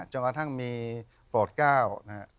จนกว่าทั้งมีปลอดก้าวนะฮะ